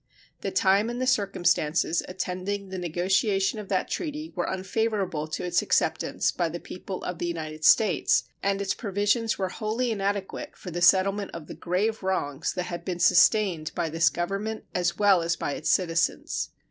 The time and the circumstances attending the negotiation of that treaty were unfavorable to its acceptance by the people of the United States, and its provisions were wholly inadequate for the settlement of the grave wrongs that had been sustained by this Government, as well as by its citizens.